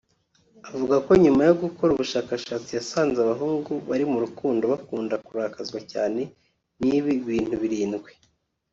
avuga ko nyuma yo gukora ubushakashatsi yasanze abahungu bari mu rukundo bakunda kurakazwa cyane n’ibi bintu birindwi